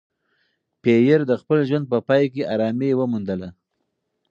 پییر د خپل ژوند په پای کې ارامي وموندله.